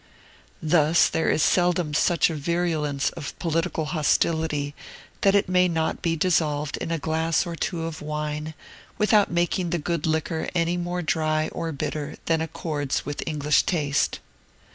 Thus there is seldom such a virulence of political hostility that it may not be dissolved in a glass or two of wine, without making the good liquor any more dry or bitter than accords with English taste.